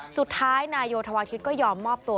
สุดท้ายนายโยธวาทิศก็ยอมมอบตัว